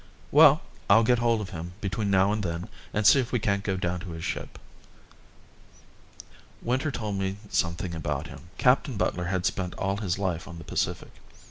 "Well, I'll get hold of him between now and then and see if we can't go down to his ship." Winter told me something about him. Captain Butler had spent all his life on the Pacific.